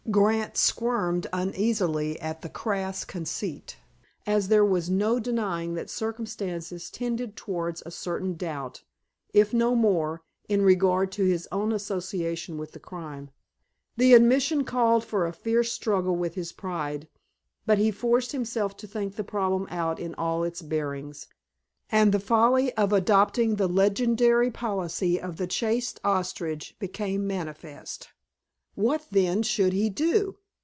Grant squirmed uneasily at the crass conceit, as there was no denying that circumstances tended towards a certain doubt, if no more, in regard to his own association with the crime. The admission called for a fierce struggle with his pride, but he forced himself to think the problem out in all its bearings, and the folly of adopting the legendary policy of the chased ostrich became manifest. What, then, should he do?